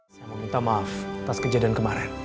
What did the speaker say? saya mau minta maaf atas kejadian kemarin